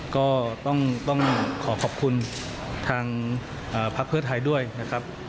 ก็ต้องขอขอบคุณทางพักเพื่อไทยด้วยนะครับ